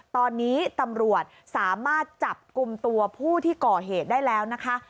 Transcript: ตอนนี้ตำรวจสามารถจับกลุ่มตัวผู้ที่ก่อเหตุได้แล้วนะคะ